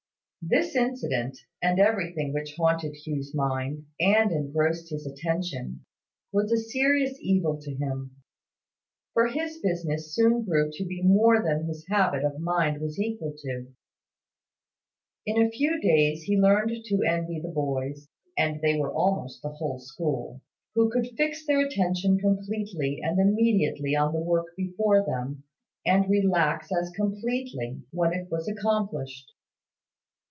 This incident, and everything which haunted Hugh's mind, and engrossed his attention, was a serious evil to him; for his business soon grew to be more than his habit of mind was equal to. In a few days, he learned to envy the boys (and they were almost the whole school) who could fix their attention completely and immediately on the work before them, and relax as completely, when it was accomplished.